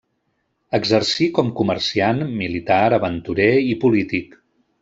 Exercí com comerciant, militar, aventurer i polític.